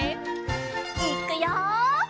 いっくよ。